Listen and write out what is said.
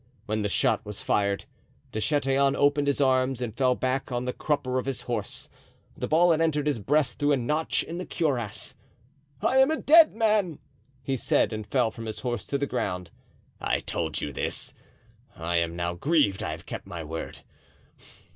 when the shot was fired. De Chatillon opened his arms and fell back on the crupper of his horse. The ball had entered his breast through a notch in the cuirass. "I am a dead man," he said, and fell from his horse to the ground. "I told you this, I am now grieved I have kept my word.